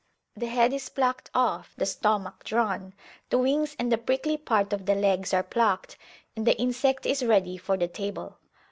The head is plucked off, the stomach drawn, the wings and the prickly part of the legs are plucked, and the insect is ready for the table.